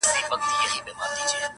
له کابله تر بنګاله یې وطن وو!.